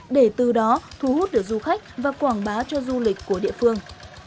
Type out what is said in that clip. để từ đó thu hút được du khách và quảng bá cho du lịch của địa phương